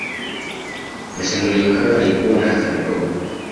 Mashambulio hayo yalikuwa na athari ndogo